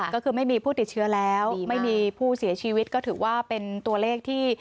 ก็คือไม่มีผู้ติดเชื้อแล้วไม่มีผู้เสียชีวิตก็ถือว่าเป็นตัวเลขที่